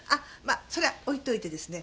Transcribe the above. あそれは置いといてですね